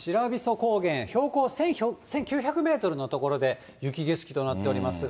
高原標高１９００メートルの所で雪景色となっておりますが。